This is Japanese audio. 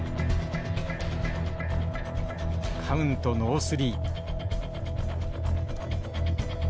カウントノースリー。